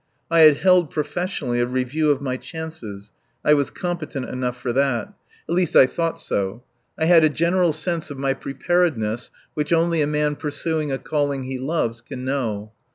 I had held, professionally, a review of my chances. I was competent enough for that. At least, I thought so. I had a general sense of my preparedness which only a man pursuing a calling he loves can know.